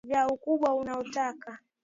menya na kukata viazi kwa ukubwa unaotaka